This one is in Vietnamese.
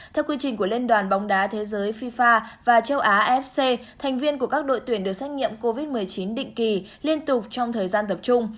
theo quy trình của liên đoàn bóng đá thế giới fifa và châu á fc thành viên của các đội tuyển được xét nghiệm covid một mươi chín định kỳ liên tục trong thời gian tập trung